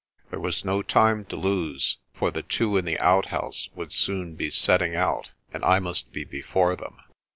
There was no time to lose, for the two in the outhouse would soon be setting out and I must be before them.